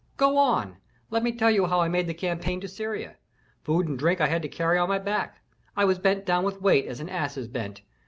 "Go on! let me tell how I made the campaign to Syria. Food and drink I had to carry on my back, I was bent down with weight as an ass is bent.